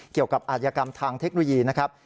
เกี่ยวกับอาจยากรรมทางเทคโนโลยีนะครับ